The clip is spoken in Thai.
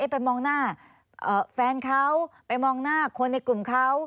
ไปมองหน้าแฟนเขาไปมองหน้าคนในกลุ่มเขา